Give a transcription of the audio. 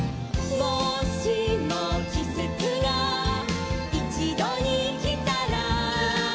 「もしもきせつがいちどにきたら」